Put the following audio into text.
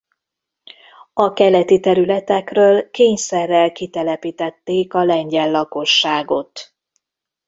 A keleti területekről kényszerrel kitelepítették a lengyel lakosságot.